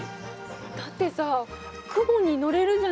だってさ雲に乗れるじゃない。